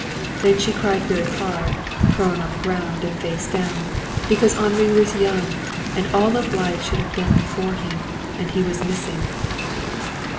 Then she cried very hard, prone on the ground and face down, because Henri was young, and all of life should have been before him. And he was missing.